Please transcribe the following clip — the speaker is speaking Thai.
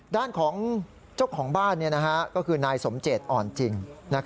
ด้านของเจ้าของบ้านก็คือนายสมเจตอ่อนจริง